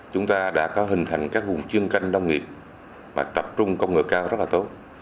chúng ta đã có hình thành các vùng chuyên canh nông nghiệp mà tập trung công nghệ cao rất là tốt